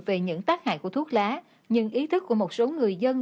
về những tác hại của thuốc lá nhưng ý thức của một số người dân